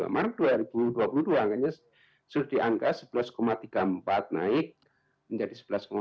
maret dua ribu dua puluh dua angkanya sudah diangka sebelas tiga puluh empat naik menjadi sebelas empat puluh sembilan